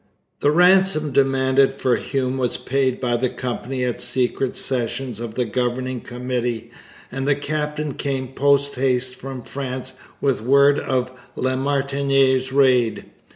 The ransom demanded for Hume was paid by the Company at secret sessions of the Governing Committee, and the captain came post haste from France with word of La Martinière's raid.